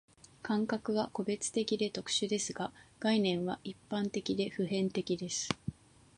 感覚は個別的で特殊ですが、概念は一般的で普遍的です。